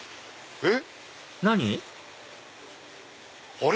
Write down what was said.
えっ？